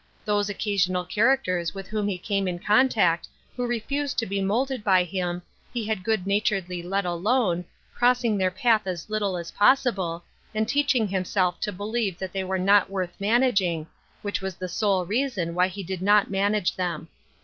Those occasional characters with whom he came in con tact, who refused to be molded by him, he hac good naturedly let alone, crossing their path a» little as possible, and teaching himself to believe that they were not worth managing, which was the sole reason why he did not manage them.